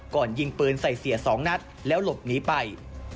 ยิงปืนใส่เสีย๒นัดแล้วหลบหนีไป